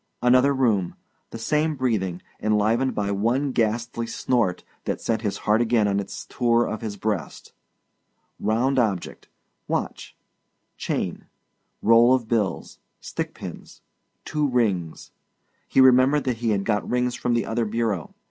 Another room ... the same breathing, enlivened by one ghastly snort that sent his heart again on its tour of his breast. Round object watch; chain; roll of bills; stick pins; two rings he remembered that he had got rings from the other bureau.